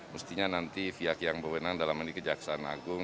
mestinya nanti pihak yang berwenang dalam menikah jaksan agung